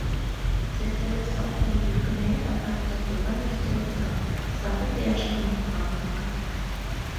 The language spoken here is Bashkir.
Сәстәргә сал ҡунып, өлкәнәйә барһаҡ та, тыуған йортобоҙға сабыйҙай ашҡынып, һағынып ҡайтабыҙ.